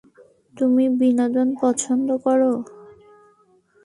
তুমি বিনোদন পছন্দ কর?